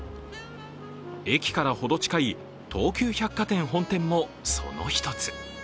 駅からほど近い東急百貨店本店もその一つ。